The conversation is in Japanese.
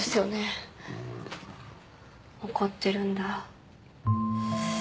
怒ってるんだ。